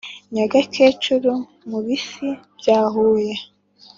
Nyagakecuru mu Bisi bya Huye